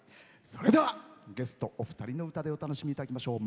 それではゲストお二人の歌でお楽しみいただきましょう。